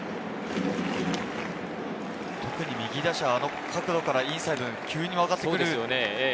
特に右打者はあの角度からインサイド、急に曲がってくるわけですもんね。